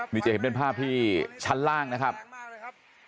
นี่จะเห็นเป็นภาพที่ชั้นล่างนะครับ